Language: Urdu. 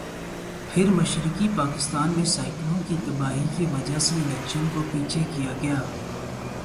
پھر مشرقی پاکستان میں سائیکلون کی تباہی کی وجہ سے الیکشن کو پیچھے کیا گیا۔